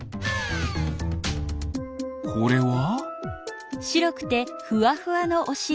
これは？